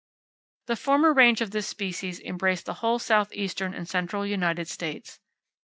The former range of this species embraced the whole southeastern and central United States.